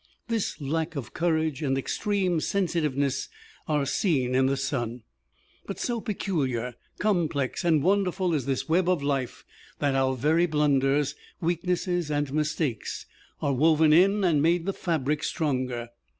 This lack of courage and extreme sensitiveness are seen in the son. But so peculiar, complex and wonderful is this web of life, that our very blunders, weaknesses and mistakes are woven in and make the fabric stronger.